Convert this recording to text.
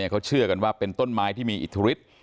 เขาเชื่อกันว่าเป็นต้นไม้ที่มีอิทธิฤทธิ์